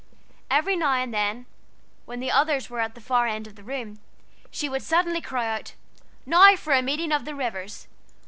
Every now and then, when the others were at the far end of the room, she would suddenly cry out, "Now for a meeting of the waters!"